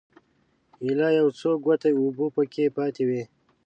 ایله یو څو ګوټه اوبه په کې پاتې وې.